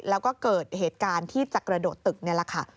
แล้วก็เกิดเหตุการณ์ที่จะกระโดดตึกนี่แหละค่ะ